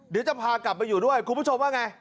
เดี๋ยวจะพากลับไปอยู่ด้วยคุณผู้ชมว่าไง